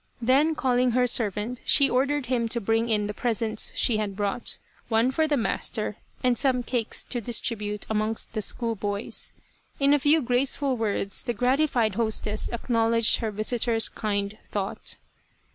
Then calling her servant, she ordered him to bring in the presents she had brought, one for the master, and some cakes to distribute amongst the schoolboys. In a few graceful words the gratified hostess acknow ledged her visitor's kind thought.